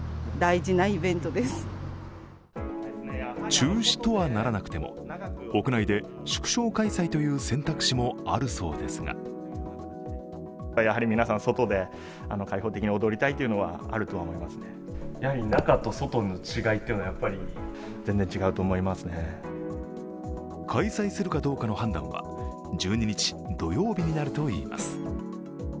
中止とはならなくても屋内で縮小開催という選択肢もあるそうですが開催するかどうかの判断は１２日土曜日になるといいます。